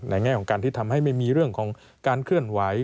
แง่ของการที่ทำให้ไม่มีเรื่องของการเคลื่อนไหว